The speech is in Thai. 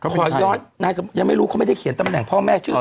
ขอย้อนนายยังไม่รู้เขาไม่ได้เขียนตำแหน่งพ่อแม่ชื่ออะไร